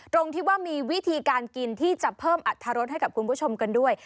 ตรงที่ว่ามีวิธีการกินที่จะเพิ่มอัตรรสให้กับคุณผู้ชมกันด้วย